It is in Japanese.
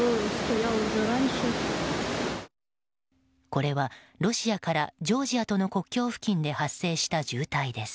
これは、ロシアからジョージアとの国境付近で発生した渋滞です。